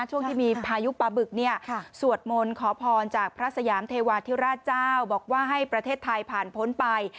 ช่วงที่มีพายุปลาบึกเนี่ยสวดมนต์ขอพรจากพระสยามเทวาธิราชเจ้าบอกว่าให้ประเทศไทยผ่านพ้นไป